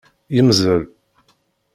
Yemmzel.